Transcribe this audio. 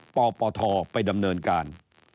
ปปทไปดำเนินการ